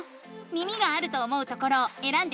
耳があると思うところをえらんでみて。